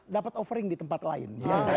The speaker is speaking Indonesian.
dapat offering di tempat lain